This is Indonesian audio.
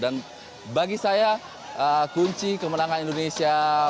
dan bagi saya kunci kemenangan indonesia